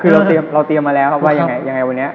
คือเราเตรียมมาแล้วครับว่ายังไงวันนี้